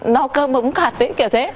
no cơm ấm cặt ấy kiểu thế